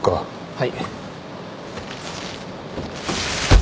はい。